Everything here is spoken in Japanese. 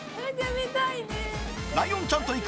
ライオンちゃんと行く！